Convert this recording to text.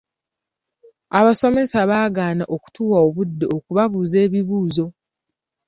Abasomesa baagaana okutuwa obudde okubabuuza ebibuuzo.